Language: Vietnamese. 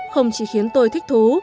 không chỉ khiến tôi thích thú